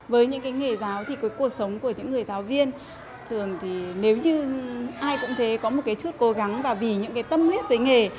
với những nghề giáo thì cuộc sống của những người giáo viên thường thì nếu như ai cũng thế có một chút cố gắng và vì những tâm huyết với nghề